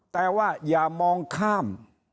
แต่ว่าอย่ามองข้าม